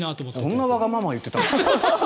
そんなわがままを言ってたんですか？